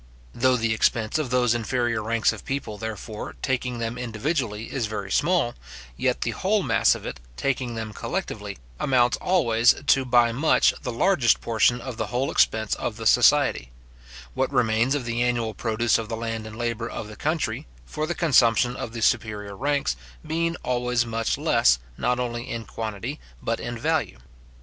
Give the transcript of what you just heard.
Though the expense of those inferior ranks of people, therefore, taking them individually, is very small, yet the whole mass of it, taking them collectively, amounts always to by much the largest portion of the whole expense of the society; what remains of the annual produce of the land and labour of the country, for the consumption of the superior ranks, being always much less, not only in quantity, but in value.